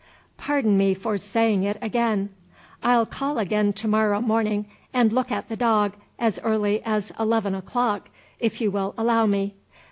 Pardon me for saying it again. I'll call again to morrow morning and look at the dog as early as eleven o'clock, if you will allow me.